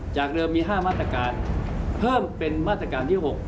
จากเดิมมี๕มาตรการเพิ่มเป็นมาตรการที่๖